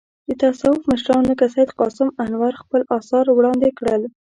د تصوف مشران لکه سید قاسم انوار خپل اثار وړاندې کړل.